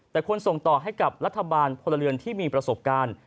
แต่ควรส่งต่อให้กับรัฐบาลพลเรือนที่มีประสบการณ์